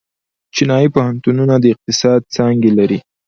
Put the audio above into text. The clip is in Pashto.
چینايي پوهنتونونه د اقتصاد څانګې لري.